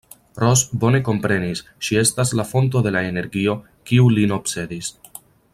Ros bone komprenis, ŝi estas la fonto de la energio, kiu lin obsedis.